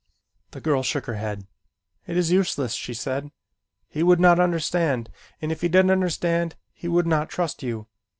The girl shook her head. "It is useless," she said. "He would not understand and if he did understand, he would not trust you.